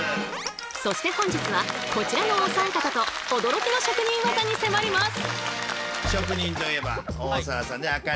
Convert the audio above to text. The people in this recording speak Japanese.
そして本日はこちらのお三方と驚きの職人技に迫ります！